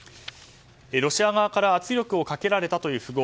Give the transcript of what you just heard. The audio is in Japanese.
ロシア側から圧力をかけられたという富豪。